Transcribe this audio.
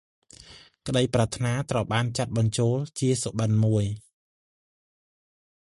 ក្តីប្រាថ្នាត្រូវបានចាត់បញ្ចូលជាសុបិន្តមួយ។